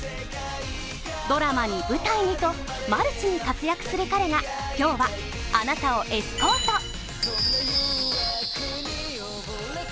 ドラマに舞台にと、マルチに活躍する彼が今日は、あなたをエスコート。